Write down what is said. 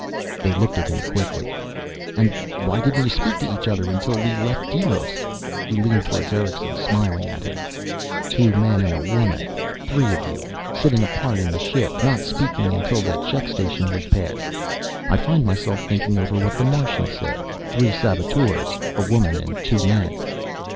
They looked at him quickly. "And why didn't you speak to each other until we left Deimos?" He leaned toward Erickson, smiling at him. "Two men and a woman. Three of you. Sitting apart in the ship. Not speaking, not until the check station was past. I find myself thinking over what the Martian said. Three saboteurs. A woman and two men."